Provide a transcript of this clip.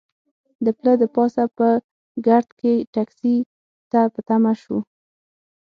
د پله د پاسه په ګرد کې ټکسي ته په تمه شوو.